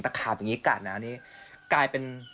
ตระครับไหงแบบนี้แบบนี้